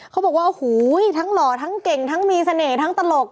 เขาบอกว่าโอ้โหทั้งหล่อทั้งเก่งทั้งมีเสน่ห์ทั้งตลก